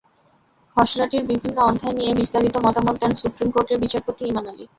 খসড়াটির বিভিন্ন অধ্যায় নিয়ে বিস্তারিত মতামত দেন সুপ্রিম কোর্টের বিচারপতি ইমান আলী।